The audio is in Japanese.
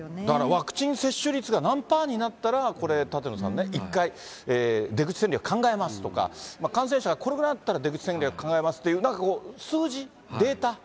だからワクチン接種率が何パーになったら、これ、舘野さんね、一回出口戦略考えますとか、感染者がこれぐらいだったら、出口戦略考えますっていう、なんかこう、数字、データ。